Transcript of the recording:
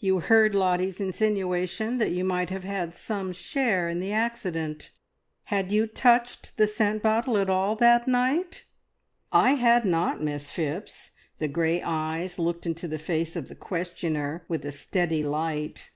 You heard Lottie's insinuation that you might have had some share in the accident! Had you touched the scent bottle at all that night?" "I had not, Miss Phipps!" The grey eyes looked into the face of the questioner with a steady light.